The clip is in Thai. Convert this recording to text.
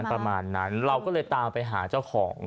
ประมาณนั้นเราก็เลยตามไปหาเจ้าของ